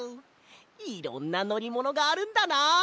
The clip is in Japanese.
いろんなのりものがあるんだな。